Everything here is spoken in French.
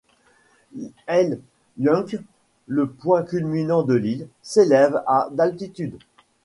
El Yunque, le point culminant de l'île, s'élève à d'altitude.